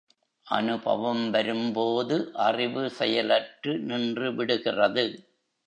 அநுபவம் வரும்போது அறிவு செயலற்று நின்றுவிடுகிறது.